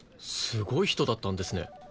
すごい人だったんですね。